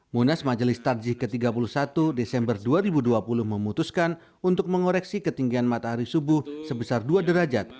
munas majelis tarjih ke tiga puluh satu desember dua ribu dua puluh memutuskan untuk mengoreksi ketinggian matahari subuh sebesar dua derajat